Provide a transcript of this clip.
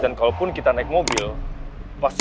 dan kalaupun kita naik mobil pasti